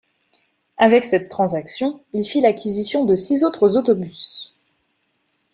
Avec cette transaction, il fit l'acquisition de six autres autobus.